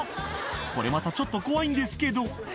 これまたちょっと怖いんですけど。